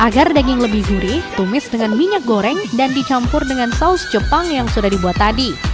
agar daging lebih gurih tumis dengan minyak goreng dan dicampur dengan saus jepang yang sudah dibuat tadi